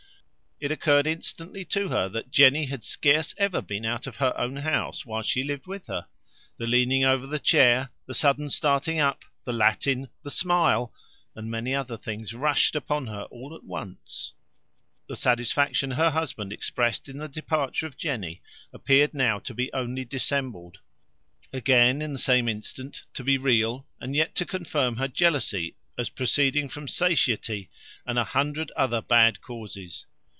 It occurred instantly to her, that Jenny had scarce ever been out of her own house while she lived with her. The leaning over the chair, the sudden starting up, the Latin, the smile, and many other things, rushed upon her all at once. The satisfaction her husband expressed in the departure of Jenny, appeared now to be only dissembled; again, in the same instant, to be real; but yet to confirm her jealousy, proceeding from satiety, and a hundred other bad causes.